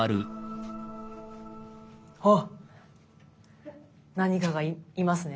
あっ何かがいますね。